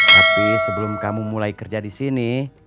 tapi sebelum kamu mulai kerja disini